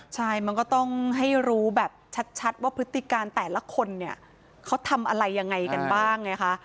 ใช่มันก็ต้องให้รู้แบบชัดว่าพฤติการแต่ละคนเนี่ยเขาทำอะไรยังไงกันบ้างไงคะ